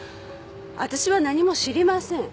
私は何も知りません。